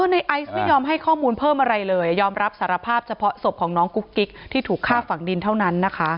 ในไอซ์ไม่ยอมให้ข้อมูลเพิ่มอะไรเลยยอมรับสารภาพเฉพาะศพของน้องกุ๊กกิ๊กที่ถูกฆ่าฝังดินเท่านั้นนะคะ